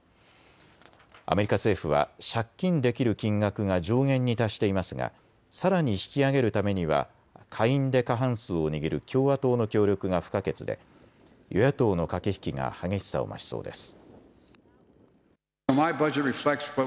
アメリカ政府は借金できる金額が上限に達していますが、さらに引き上げるためには下院で過半数を握る共和党の協力が不可欠で与野党の駆け引きが激しさを増しそうです。